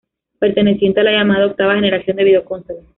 Perteneciente a la llamada octava generación de videoconsolas.